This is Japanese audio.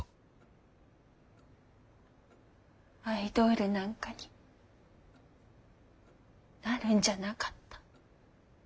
アイドールなんかになるんじゃなかった。